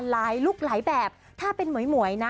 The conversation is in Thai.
ลุคหลายแบบถ้าเป็นหมวยนะ